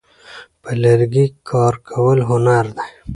په لرګي کار کول هنر دی.